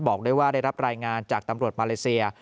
บอกได้ว่าได้รับรายงานจากตำรวจมาเลเซีย